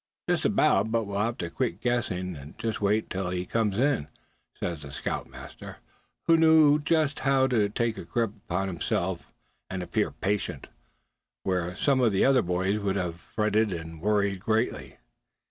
"Just about; but we'll have to quit guessing, and just wait till he comes in," said the scoutmaster, who knew just how to take a grip upon himself, and appear patient, where some of the other boys would have fretted, and worried greatly.